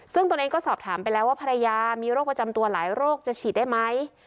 ซึ่งตนเองก็สอบถามไปแล้วว่าภรรยามีโรคประจำตัวหลายโรคจะฉีดได้ไหม